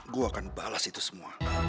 gue akan balas itu semua